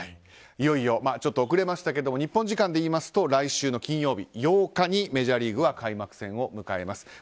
いよいよ、遅れましたが日本時間でいいますと来週の金曜日、８日にメジャーリーグは開幕戦を迎えます。